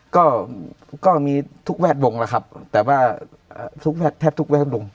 ก็ก็มีทุกแวดวงแล้วครับแต่ว่าทุกแทบทุกแวดวง